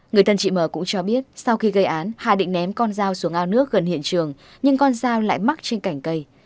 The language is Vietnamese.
người thân chị m cũng cho biết sau khi gây án hà định ném con dao xuống ao nước gần hiện trường nhưng con dao lại mắc trên cành cây